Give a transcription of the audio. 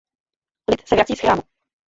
Lid se vrací z chrámu.